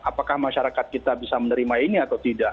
apakah masyarakat kita bisa menerima ini atau tidak